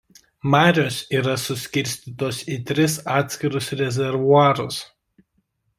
Marios yra suskirstytos į tris atskirus rezervuarus.